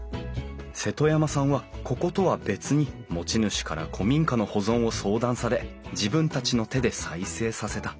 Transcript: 瀬戸山さんはこことは別に持ち主から古民家の保存を相談され自分たちの手で再生させた。